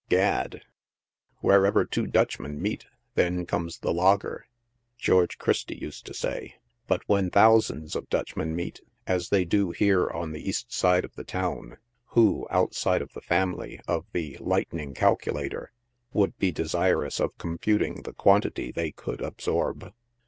" Gad ! wherever two Dutch men meet then comes the lager," George Chriity used to say— but when thousands of Dutchmen meet, as they do here on the east side of the town, who, outside of the family of the " lightning calculator," would be desirous of computing the quantity they could absorb